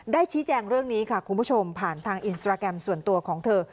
ชี้แจงเรื่องนี้ค่ะคุณผู้ชมผ่านทางอินสตราแกรมส่วนตัวของเธอ